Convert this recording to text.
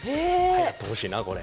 はやってほしいなこれ。